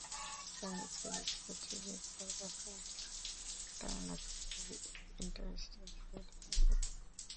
সঙ্গে চায়ে বিস্কুট চুবিয়ে খাওয়ার ব্যাপারটা নাকি খুবই ইন্টারেস্টিং ছিল তাঁর কাছে।